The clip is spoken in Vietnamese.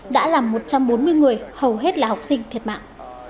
đã làm một trăm bốn mươi người hầu hết là học sinh thiệt mạng